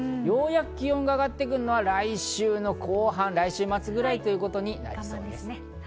ようやく気温が上がってくるのは来週後半、来週末ぐらいとなりそうです。